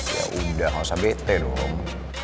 yaudah gak usah bete dong